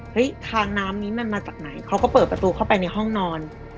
ทางน้ำนี้มันมาจากไหนเขาก็เปิดประตูเข้าไปในห้องนอน